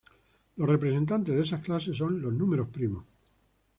Los representantes de esas clases son los números primos.